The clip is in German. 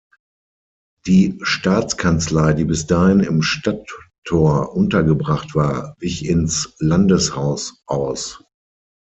Die Staatskanzlei, die bis dahin im Stadttor untergebracht war, wich in Landeshaus aus.